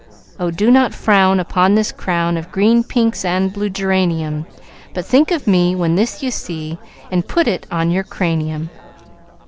"Oh, do not frown Upon this crown Of green pinks and blue geranium But think of me When this you see, And put it on your cranium."